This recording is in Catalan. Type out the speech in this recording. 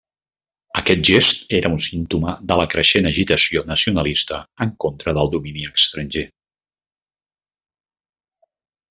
Aquest gest era un símptoma de la creixent agitació nacionalista en contra del domini estranger.